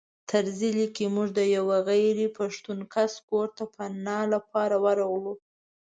طرزي لیکي موږ د یوه غیر پښتون کس کور ته پناه لپاره ورغلو.